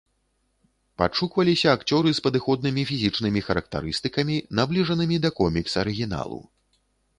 Падшукваліся акцёры з падыходнымі фізічнымі характарыстыкамі, набліжанымі да комікс-арыгіналу.